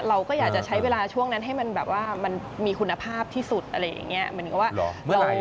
เราก็อยากจะใช้เวลาช่วงนั้นให้มันแบบว่ามันมีคุณภาพที่สุดอะไรอย่างนี้